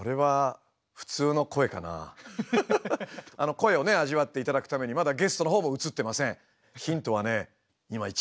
声をね味わっていただくためにまだゲストのほうも映ってません。